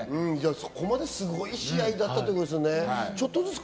そこまですごい試合だったんですね。